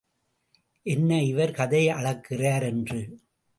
என்ன இவர் கதை அளக்கிறார் என்று.